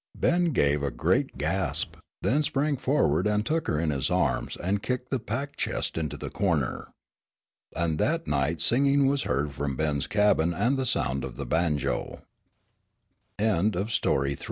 Ben gave a great gasp, then sprang forward and took her in his arms and kicked the packed chest into the corner. And that night singing was heard from Ben's cabin and the sound of the banjo. THE FRUITFUL SLEEPING OF THE REV. ELISHA EDWARDS There was